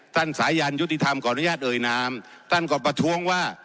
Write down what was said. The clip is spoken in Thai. ท่านสายรรยุติธรรมกรณญาติเอ่ยนามท่านก็ประท้วงว่า